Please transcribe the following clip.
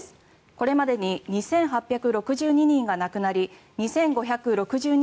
これまでに２８６２人が亡くなり２５６２